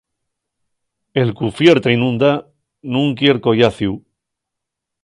El qu'ufierta y nun da, nun quier collaciu.